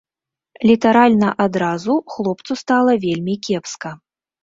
Літаральна адразу хлопцу стала вельмі кепска.